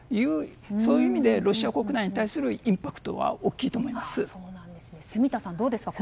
そういう意味でロシア国内に対するインパクトは住田さん、どうですか？